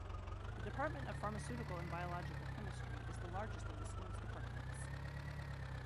The Department of Pharmaceutical and Biological Chemistry is the largest of the School's departments.